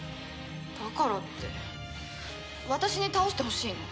だからって私に倒してほしいの？